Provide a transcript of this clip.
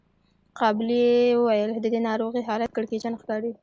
قابلې وويل د دې ناروغې حالت کړکېچن ښکاري.